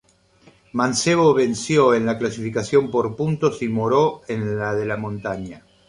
Mancebo venció en la clasificación por puntos y Moreau en la de la montaña.